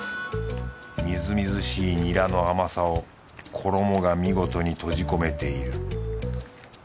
みずみずしいニラの甘さを衣が見事に閉じ込めている